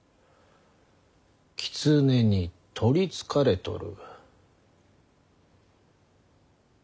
狐に取りつかれとる。